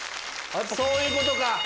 そういうことか。